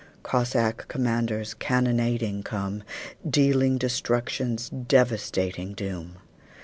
Cossack commanders cannonading come, Dealing destruction's devastating doom.